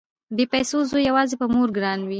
بې پيسو زوی يواځې په مور ګران وي